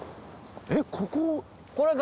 えっここ。